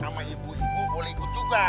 sama ibu ibu boleh ikut juga